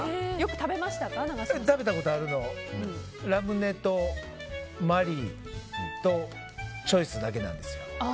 食べたことあるのはラムネとマリーとチョイスだけなんですよ。